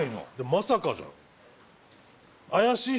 まさかじゃん。